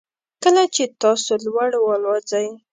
کله چې تاسو لوړ والوځئ